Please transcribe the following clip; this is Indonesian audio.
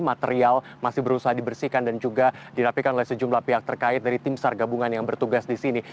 material masih berusaha dibersihkan dan juga dirapikan oleh sejumlah pihak terkait dari tim sar gabungan yang bertugas di sini